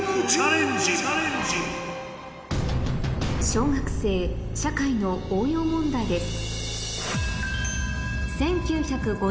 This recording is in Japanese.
小学生社会の応用問題です